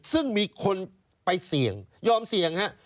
ซึ่งมีคนไปเสี่ยงยอมเสี่ยงฮะ